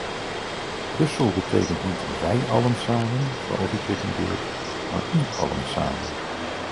Brussel betekent niet wij allen samen, zoals u pretendeert, maar u allen samen.